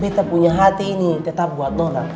beta punya hati ini tetap buat rona